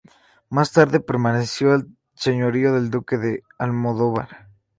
Más tarde perteneció al señorío del duque de Almodóvar.